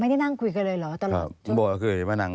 พ่อที่รู้ข่าวอยู่บ้าง